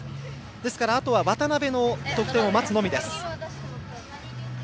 ですから、あとは渡部の得点を待つのみです。